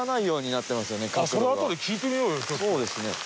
そうですね。